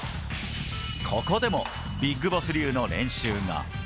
ここでもビッグボス流の練習が。